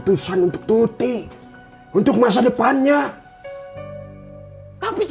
kesapekanthropi sosial pemilihan penghargaan yang terbaik